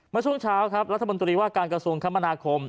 เมื่อช่วงเช้าครับรัฐมนตรีว่าการกระทรวงคมนาคม